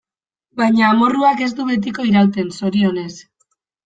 Baina amorruak ez du betiko irauten, zorionez.